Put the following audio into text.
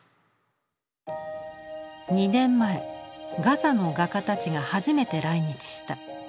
２年前ガザの画家たちが初めて来日した。